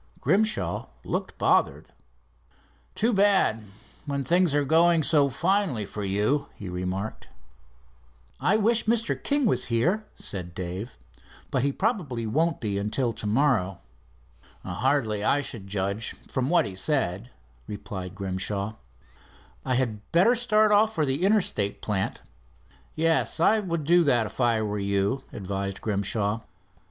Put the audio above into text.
Grimshaw looked bothered. "Too bad, when things are going so finely for you," he remarked. "I wish Mr. King was here," said Dave, "but he probably won't be until tomorrow." "Hardly, I should judge, from what he said," replied Grimshaw. "I had better start right off for the Interstate plant." "Yes. I would do that if I were you," advised Grimshaw.